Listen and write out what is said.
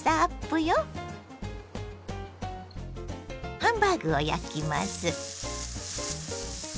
ハンバーグを焼きます。